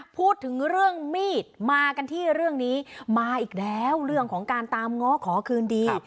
พูดถึงเรื่องมีดมากันที่เรื่องนี้มาอีกแล้วเรื่องของการตามง้อขอคืนดี